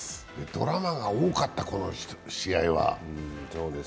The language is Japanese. ドラマが多かった、この試合は。